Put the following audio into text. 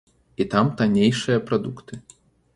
І там таннейшыя прадукты.